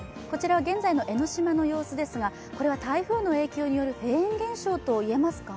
現在の江の島の様子ですがこれは台風の影響によるフェーン現象といえますか？